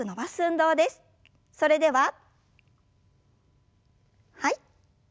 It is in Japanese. それでははい。